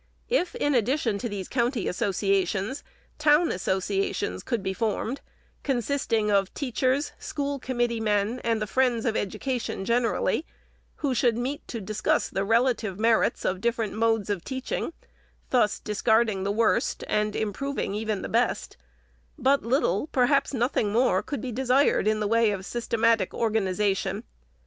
If, in addition to these county associations, town asso ciations could be formed, consisting of teachers, school committee men, and the friends of education generally, who should ^meet to discuss the relative merits of differ ent modes of teaching, — thus discarding the worst, and improving even the best, — but little, perhaps nothing more, could be desired in the way of systematic organiza tion.